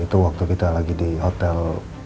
itu waktu kita lagi di hotel